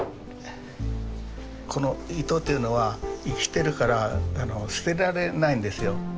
この糸というのは生きてるから捨てられないんですよ。